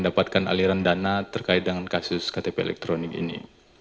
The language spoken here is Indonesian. tapi kan kayak jawaban kan tapi kan aku sudah jual gimana itu